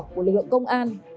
của lực lượng công an